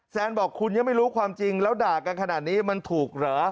แซนบอกคุณยังไม่รู้ความจริงแล้วด่ากันขนาดนี้มันถูกเหรอ